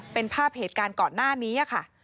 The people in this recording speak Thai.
เป็นภาพเหตุการณ์ก่อนหน้านี้ค่ะ